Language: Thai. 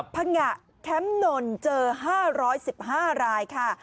ภังงะแคมป์นนทบุรีเจอ๕๑๕รายค่ะ